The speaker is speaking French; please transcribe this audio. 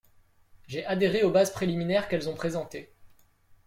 J'ai adhéré aux bases préliminaires qu'elles ont présentées.